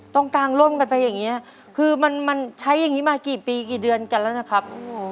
กลางร่มกันไปอย่างนี้คือมันใช้อย่างนี้มากี่ปีกี่เดือนกันแล้วนะครับ